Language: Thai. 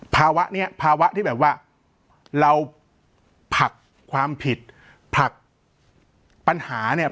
ภาวะนี้ภาวะที่แบบว่าเราผลักความผิดผลักปัญหาเนี่ย